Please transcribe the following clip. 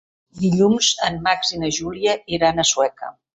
Dilluns en Max i na Júlia iran a Sueca.